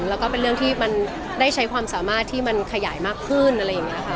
แล้วก็เป็นเรื่องที่มันได้ใช้ความสามารถที่มันขยายมากขึ้นอะไรอย่างนี้ค่ะ